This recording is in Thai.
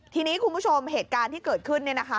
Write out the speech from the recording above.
ทีนี้คุณผู้ชมเหตุการณ์ที่เกิดขึ้น